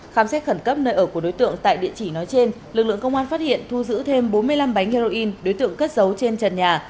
khám xét khẩn cấp nơi ở của đối tượng tại địa chỉ nói trên lực lượng công an phát hiện thu giữ thêm bốn mươi năm bánh heroin đối tượng cất dấu trên trần nhà